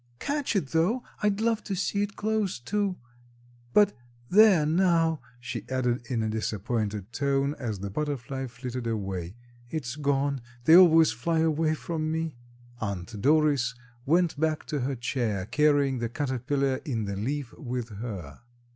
"Catch it, though, I'd love to see it close to. But there, now!" she added in a disappointed tone as the butterfly flitted away, "It's gone; they always fly away from me." Aunt Doris went back to her chair carrying the caterpillar in the leaf with her.